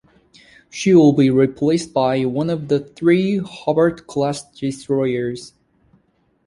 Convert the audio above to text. She will be replaced by one of the three "Hobart"-class destroyers.